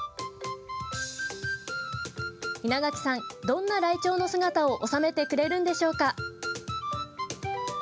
どんなライチョウの姿を収めてくれるんでしょうか。